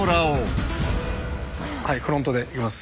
フロントでいきます。